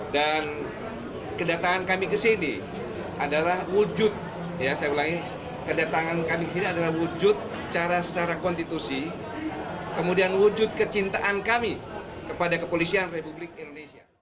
dan kedatangan kami ke sini adalah wujud ya saya ulangi kedatangan kami ke sini adalah wujud secara konstitusi kemudian wujud kecintaan kami kepada kepolisian republik indonesia